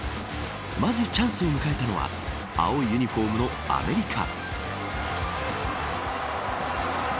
まず、チャンスを迎えたのは青いユニホームのアメリカ。